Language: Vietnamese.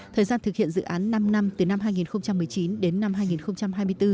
thời gian thực hiện dự án năm năm từ năm hai nghìn một mươi chín đến năm hai nghìn hai mươi bốn